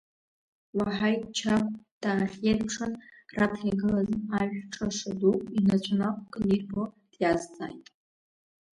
Уаҳаид Чагә даахьеирԥшын, раԥхьа игылаз ажә ҿаша ду инацәа нақәкны ирбо, диазҵааит…